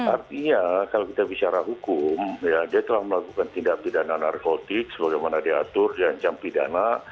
artinya kalau kita bicara hukum dia telah melakukan tindak pidana narkotik sebagaimana diatur diancam pidana